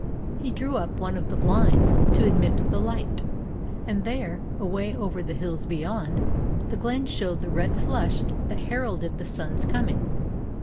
He drew up one of the blinds to admit the light; and there, away over the hills beyond, the glen showed the red flush that heralded the sun's coming.